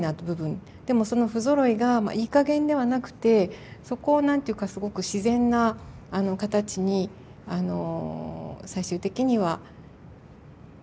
でもその不ぞろいがいいかげんではなくてそこを何て言うかすごく自然な形に最終的には合わせていく。